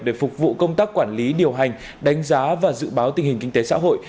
để phục vụ công tác quản lý điều hành đánh giá và dự báo tình hình kinh tế xã hội